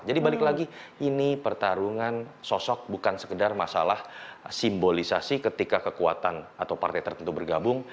jadi balik lagi ini pertarungan sosok bukan sekedar masalah simbolisasi ketika kekuatan atau partai tertentu bergabung